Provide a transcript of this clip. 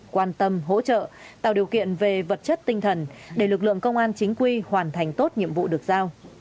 quan tâm hỗ trợ tạo điều kiện về vật chất tinh thần để lực lượng công an chính quy hoàn thành tốt nhiệm vụ được giao